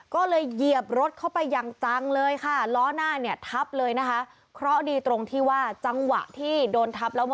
ก็เลยเหยียบรถเข้าไปอย่างจังเลยค่ะล้อหน้าเนี่ยทับเลยนะคะเคราะดีตรงที่ว่าจังหวะที่โดนทับแล้ว